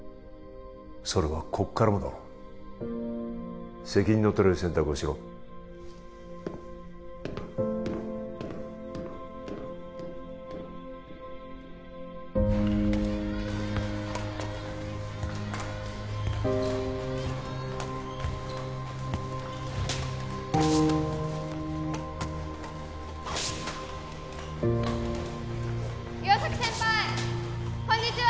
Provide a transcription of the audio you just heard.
それはここからもだろ責任の取れる選択をしろ・岩崎先輩こんにちは！